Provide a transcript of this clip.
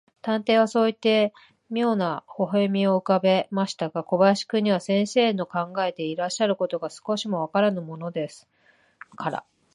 探偵はそういって、みょうな微笑をうかべましたが、小林君には、先生の考えていらっしゃることが、少しもわからぬものですから、